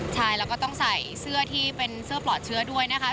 ใช่แล้วก็ต้องใส่เสื้อที่เป็นเสื้อปลอดเชื้อด้วยนะคะ